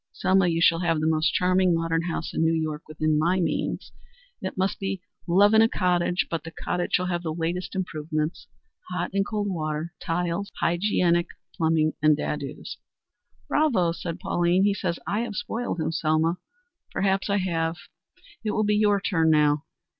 Selma, you shall have the most charming modern house in New York within my means. It must be love in a cottage, but the cottage shall have the latest improvements hot and cold water, tiles, hygienic plumbing and dados." "Bravo!" said Pauline. "He says I have spoiled him, Selma. Perhaps I have. It will be your turn now.